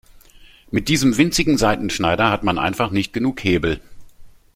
Mit diesem winzigen Seitenschneider hat man einfach nicht genug Hebel.